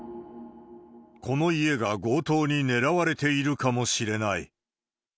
この家が強盗に狙われているかもしれない。